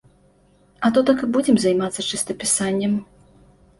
А то так і будзем займацца чыстапісаннем.